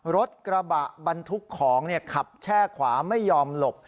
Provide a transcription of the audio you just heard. รถกระบะบรรทุกของขับแช่ขวาไม่ยอมหลบ